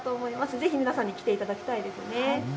ぜひ皆さんに来ていただきたいですね。